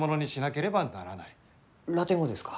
ラテン語ですか？